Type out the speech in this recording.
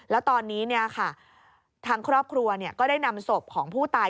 แล้วตอนนี้ทางครอบครัวก็ได้นำศพของผู้ตาย